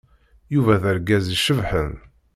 Yuba d argaz icebḥen.